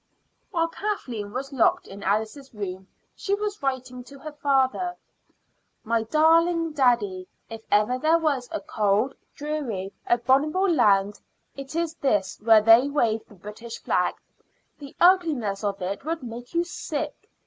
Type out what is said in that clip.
While Kathleen was locked in Alice's room, she was writing to her father: "MY DARLING DADDY. If ever there was a cold, dreary, abominable land, it is this where they wave the British flag. The ugliness of it would make you sick.